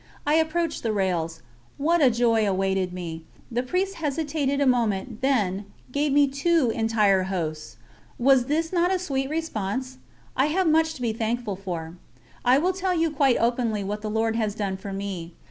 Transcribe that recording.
I approached the rails. What a joy awaited me! The Priest hesitated a moment, then gave me two entire Hosts. Was this not a sweet response? I have much to be thankful for. I will tell you quite openly what the Lord has done for me.